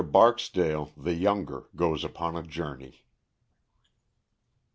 Barksdale, the Younger, Goes upon a Journey.